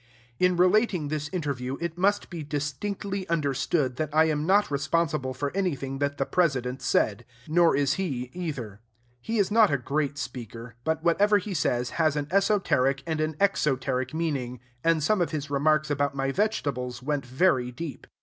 In relating this interview, it must be distinctly understood that I am not responsible for anything that the President said; nor is he, either. He is not a great speaker; but whatever he says has an esoteric and an exoteric meaning; and some of his remarks about my vegetables went very deep.